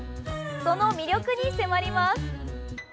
その魅力に迫ります！